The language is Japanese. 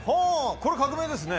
これ革命ですね。